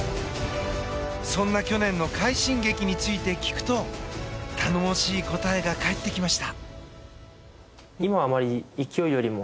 そんな、去年の快進撃について聞くと頼もしい答えが返ってきました。